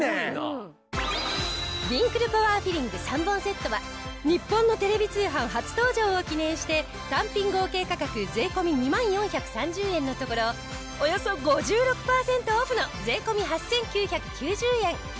リンクルパワーフィリング３本セットは日本のテレビ通販初登場を記念して単品合計価格税込２万４３０円のところおよそ５６パーセントオフの税込８９９０円。